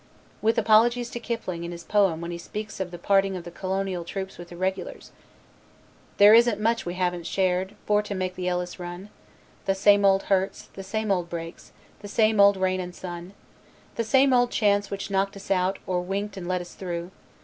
With apologies to Kipling in his poem when he speaks of the parting of the Colonial troops with the Regulars: "There isn't much we haven't shared For to make the Elis run. The same old hurts, the same old breaks, The same old rain and sun. The same old chance which knocked us out Or winked and let us through.